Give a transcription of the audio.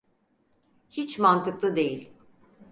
Hiç mantıklı değil.